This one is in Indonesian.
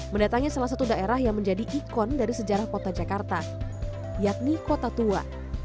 mendatangi salah satu daerah yang menjadi ikon dari sejarah kota jakarta yakni kota tua